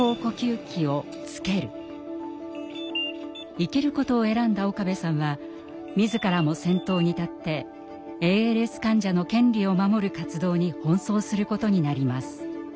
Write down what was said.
生きることを選んだ岡部さんは自らも先頭に立ってＡＬＳ患者の権利を守る活動に奔走することになります。